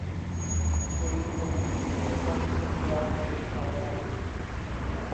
میری زندگی کا سب سے سیاہ دن آیا